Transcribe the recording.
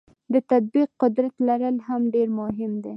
د تطبیق قدرت لرل هم ډیر مهم دي.